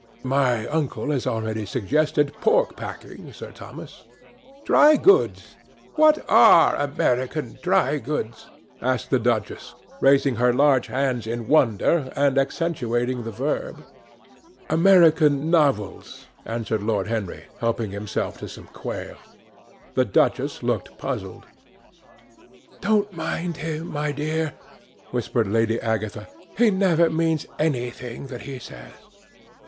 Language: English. "My uncle has already suggested pork packing, Sir Thomas." "Dry goods! What are American dry goods?" asked the duchess, raising her large hands in wonder and accentuating the verb. "American novels," answered Lord Henry, helping himself to some quail. The duchess looked puzzled. "Don't mind him, my dear," whispered Lady Agatha. "He never means anything that he says."